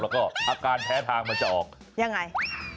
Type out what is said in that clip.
แล้วก็อาการแพ้ทางมันจะออกยังไง